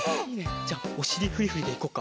じゃおしりフリフリでいこっか。